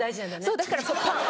そうだからパン。